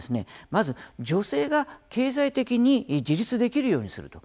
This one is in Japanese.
まず、女性が経済的に自立できるようにすると。